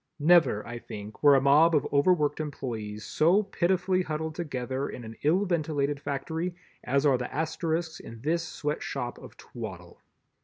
Never, I think, were a mob of overworked employees so pitifully huddled together in an ill ventilated factory as are the Asterisks in this Sweatshop of Twaddle.